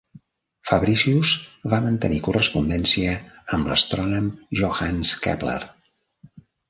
Fabricius va mantenir correspondència amb l'astrònom Johannes Kepler.